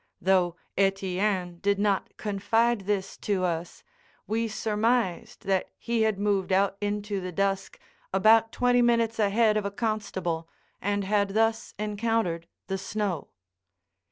Though Etienne did not confide this to us, we surmised that he had moved out into the dusk about twenty minutes ahead of a constable, and had thus encountered the snow.